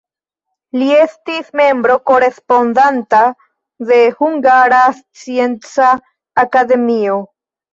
Li estis membro korespondanta de Hungara Scienca Akademio.